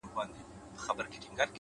خپل ژوند د مانا او خدمت لور ته بوځئ’